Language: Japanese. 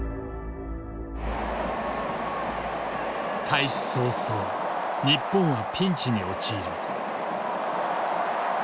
開始早々日本はピンチに陥る。